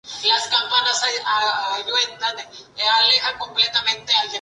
En esta ronda, el ganador de cada zona enfrentaba al segundo de la otra.